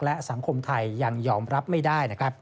และสังคมไทยยังยอมรับไม่ได้